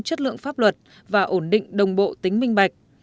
chất lượng pháp luật và ổn định đồng bộ tính minh bạch